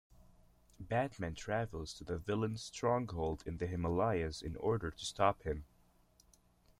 Batman travels to the villain's stronghold in the Himalayas in order to stop him.